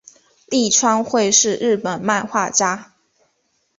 立川惠是日本漫画家。